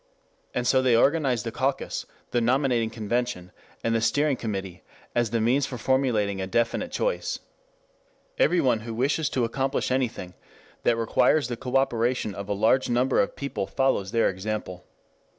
And so they organized the caucus, the nominating convention, and the steering committee, as the means of formulating a definite choice. Everyone who wishes to accomplish anything that requires the cooperation of a large number of people follows their example.